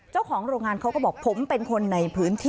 เจ้าของโรงงานเขาก็บอกผมเป็นคนในพื้นที่